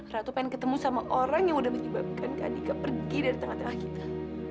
ratu pengen ketemu sama orang yang udah menyebabkan kak dika pergi dari tengah tengah kita